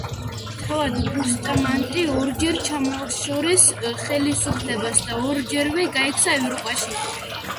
თავად ბუსტამანტე ორჯერ ჩამოაშორეს ხელისუფლებას და ორჯერვე გაიქცა ევროპაში.